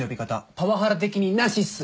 パワハラ的になしっす。